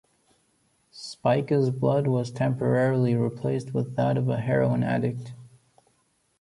Spica's blood was temporarily replaced with that of a heroin addict.